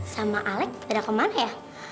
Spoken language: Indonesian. sama alex udah kemana ya